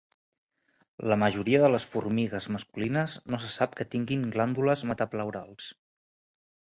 La majoria de les formigues masculines no se sap que tinguin glàndules metapleurals.